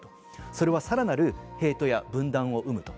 それは更なるヘイトや分断を生むと。